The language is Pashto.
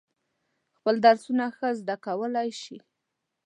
خپل درسونه ښه زده کولای شي.